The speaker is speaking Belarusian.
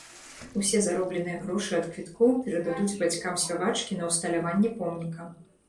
Усе заробленыя грошы ад квіткоў перададуць бацькам спявачкі на ўсталяванне помніка.